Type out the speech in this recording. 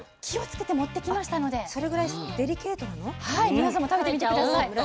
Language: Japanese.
皆さんも食べてみて下さい。